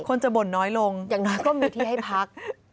คนจะบ่นน้อยลงอย่างน้อยก็มีที่ให้พัก